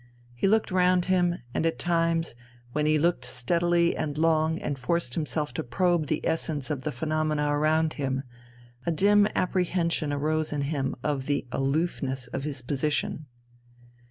He looked round him, and at times, when he looked steadily and long and forced himself to probe the essence of the phenomena around him, a dim apprehension arose in him of the "aloofness" of his position.